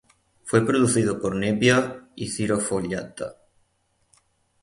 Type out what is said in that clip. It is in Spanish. Fue producido por Nebbia y Ciro Fogliatta.